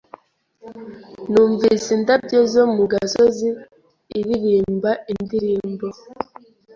numvise Indabyo zo mu gasozi Iririmba indirimbo